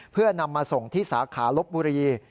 เพื่อนำมาส่งที่สาขาลบบุรี